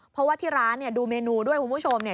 เพราะว่าที่ร้านดูเมนูด้วยคุณผู้ชม